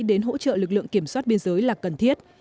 đến hỗ trợ lực lượng kiểm soát biên giới là cần thiết